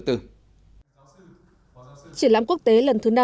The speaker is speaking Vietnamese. triển lãm quốc tế lần thứ năm